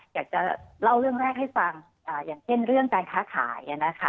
อยากจะเล่าเรื่องแรกให้ฟังอย่างเช่นเรื่องการค้าขายนะคะ